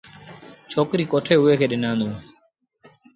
ڇوڪريٚ ڪوٺي اُئي کي ڏنآندون۔